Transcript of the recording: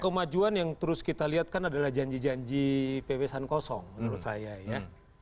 kemajuan yang terus kita lihat kan adalah janji janji pebesan kosong menurut saya ya